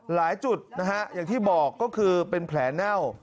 หลายจุดนะฮะอย่างที่บอกก็คือเป็นแผลเน่า